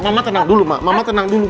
mama tenang dulu mak mama tenang dulu